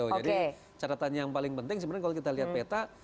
jadi catatan yang paling penting sebenarnya kalau kita lihat peta